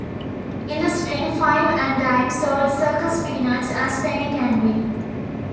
In the spring, five-and-dimes sold circus peanuts as penny candy.